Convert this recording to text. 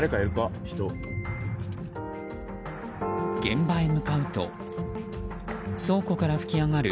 現場へ向かうと倉庫から噴き上がる